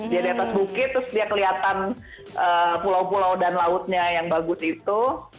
jadi atas bukit terus dia kelihatan pulau pulau dan lautnya yang bagus itu